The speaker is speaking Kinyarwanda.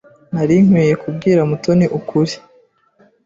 Nari nkwiye kubwira Mutoni ukuri.